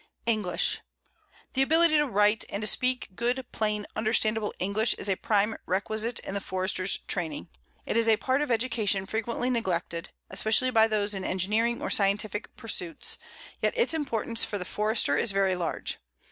ENGLISH: The ability to write and to speak good, plain, understandable English is a prime requisite in the Forester's training. It is a part of education frequently neglected, especially by those in engineering or scientific pursuits; yet its importance for the Forester is very large.